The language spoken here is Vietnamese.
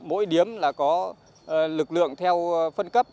mỗi điếm là có lực lượng theo phân cấp